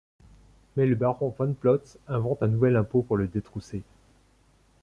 Mais le baron von Plotz invente un nouvel impôt pour le détrousser.